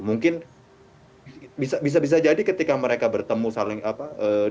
mungkin bisa bisa jadi ketika mereka bertemu saling apa